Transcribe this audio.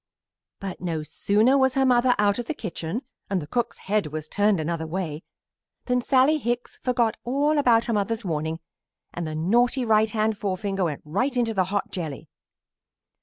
But no sooner was her mother out of the kitchen and the cook's head was turned another way than Sallie Hicks forgot all about her mother's warning, and the naughty right hand forefinger went right into the hot jelly.